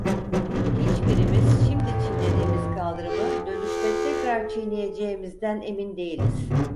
Hiçbirimiz şimdi çiğnediğimiz kaldırımı dönüşte tekrar çiğneyeceğimizden emin değiliz!